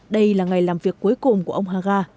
đây là ngày làm việc cuối cùng của ông haga